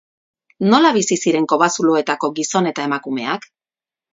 Nola bizi ziren kobazuloetako gizon eta emakumeak?